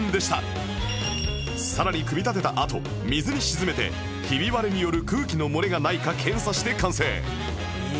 さらに組み立てたあと水に沈めてひび割れによる空気の漏れがないか検査して完成